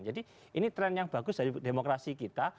jadi ini tren yang bagus dari demokrasi kita